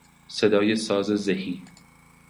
صدای ساز زهی